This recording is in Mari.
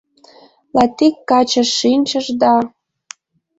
Латик каче шинчыш да